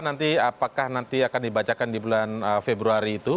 nanti apakah nanti akan dibacakan di bulan februari itu